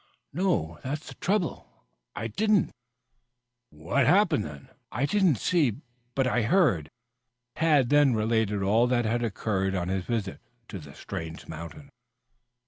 "No, that's the trouble. I didn't." "What happened then?" "I did not see, but I heard." Tad then related all that had occurred on his visit to the strange mountain.